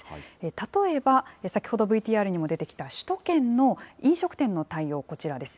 例えば、先ほどＶＴＲにも出てきた首都圏の飲食店の対応、こちらです。